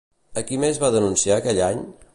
A qui més va denunciar aquell any?